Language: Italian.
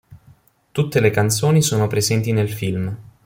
Tutte le canzoni sono presenti nel film.